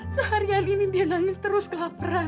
seharian ini dia nangis terus kelaparan